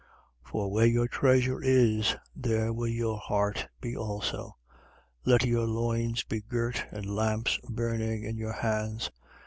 12:34. For where your treasure is, there will your heart be also. 12:35. Let your loins be girt and lamps burning in your hands.